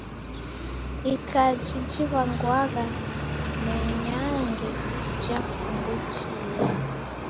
Ikaji jiw'angwagha menyange jafumbukie!